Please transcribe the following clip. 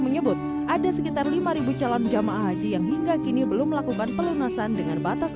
menyebut ada sekitar lima ribu calon jamaah haji yang hingga kini belum melakukan pelunasan dengan batas